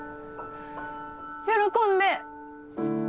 喜んで！